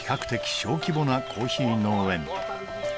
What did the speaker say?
小規模なコーヒー農園